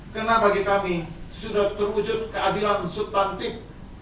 karena bagi kami sudah terwujud keadilan subtantif